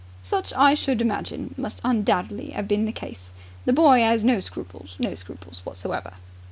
"Such, I should imagine, must undoubtedly have been the case. The boy 'as no scruples, no scruples whatsoever."